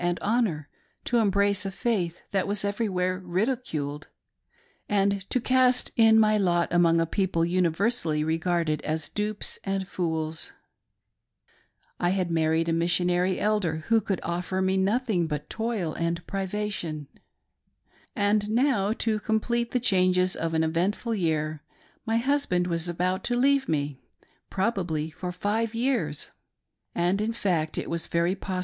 and honor, to embrace a faith that was everywhere ridiculed, and to cast in my lot among a people universally regarded as dupes and fools ; I had married a missionary elder who could offer me nothing but toil and privation ; and now to complete the changes of an eventful year, my husband was about to leave me — probably for five years, and in fact it was very pos